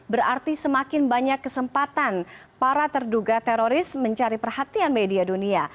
berarti semakin banyak kesempatan para terduga teroris mencari perhatian media dunia